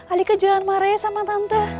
alika jangan marah ya sama tante